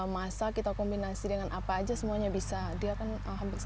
masakan khen misal dan menikmati bahan terbaik